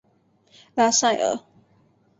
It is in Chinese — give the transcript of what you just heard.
拉塞尔。